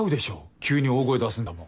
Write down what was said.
急に大声出すんだもん。